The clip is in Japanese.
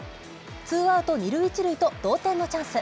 ツーアウト２塁１塁と同点のチャンス。